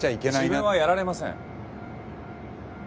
自分はやられません。